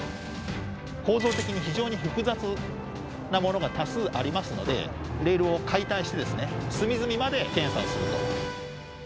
構造的に非常に複雑なものが多数ありますので、レールを解体して、隅々まで検査をすると。